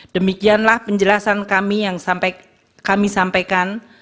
demikianlah penjelasan kami yang kami sampaikan